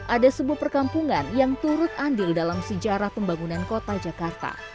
ada sebuah perkampungan yang turut andil dalam sejarah pembangunan kota jakarta